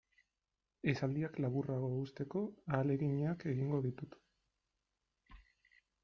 Esaldiak laburrago uzteko ahaleginak egingo ditut.